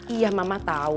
iya mama tahu